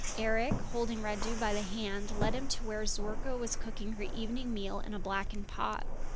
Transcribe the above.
Eric holding Radu by the hand led him to where Zorka was cooking her evening meal in a blackened pot.